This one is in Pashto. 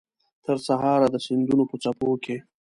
ترسهاره د سیندونو په څپو کې